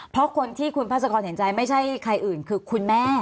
เพราะคนที่คุณภาษากรเห็นใจไม่ใช่ใครอื่นคือคุณแม่